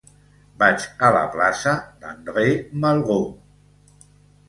Vaig a la plaça d'André Malraux.